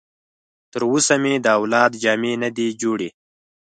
تر اوسه مې د اولاد جامې نه دي جوړې.